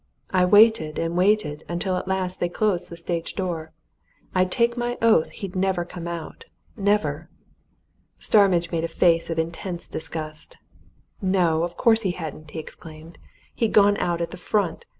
I waited and waited until at last they closed the stage door. I'll take my oath he'd never come out! never!" Starmidge made a face of intense disgust. "No, of course he hadn't!" he exclaimed. "He'd gone out at the front.